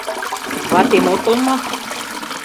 Ватем отыл мо?